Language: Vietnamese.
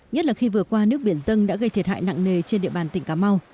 nhất là khi vừa qua nước biển dân đã gây thiệt hại nặng nề trên địa bàn tỉnh cà mau